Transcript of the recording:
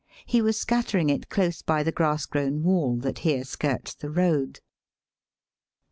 He was scattering it close by the grass grown wall that hei:e skirts the road. When VOL.